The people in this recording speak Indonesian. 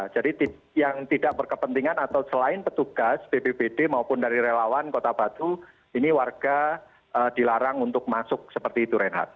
jadi yang tidak berkepentingan atau selain petugas bbbd maupun dari relawan kota batu ini warga dilarang untuk masuk seperti itu renat